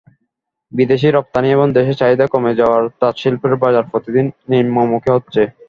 বিদেশে রপ্তানি এবং দেশে চাহিদা কমে যাওয়ায় তাঁতশিল্পের বাজার প্রতিদিন নিম্নমুখী হচ্ছে।